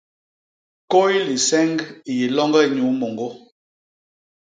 Kôy liseñg i yé loñge inyuu môñgô.